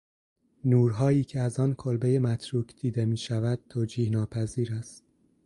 نورهایی که از آن کلبهی متروک دیده میشود، توجیحناپذیر است!